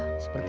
gokok banget ya